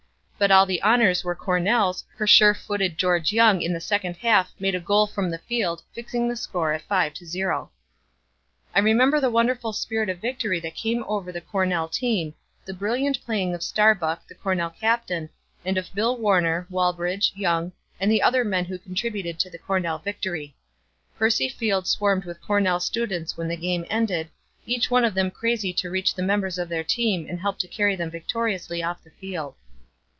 But all the honors were Cornell's, her sure footed George Young in the second half made a goal from the field, fixing the score at 5 to 0. I remember the wonderful spirit of victory that came over the Cornell team, the brilliant playing of Starbuck, the Cornell captain, and of Bill Warner, Walbridge, Young and the other men who contributed to the Cornell victory. Percy Field swarmed with Cornell students when the game ended, each one of them crazy to reach the members of their team and help to carry them victoriously off the field.